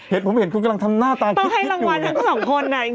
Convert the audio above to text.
เห็นผมเห็นคุณกำลังทำหน้าตาคิดอยู่ไงต้องให้รางวัลทั้งสองคนน่ะจริง